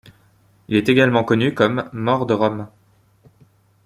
Il est également connu comme More de Rome.